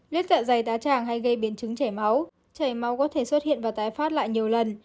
lết dạ dày tá tràng hay gây biến chứng chảy máu chảy máu có thể xuất hiện và tái phát lại nhiều lần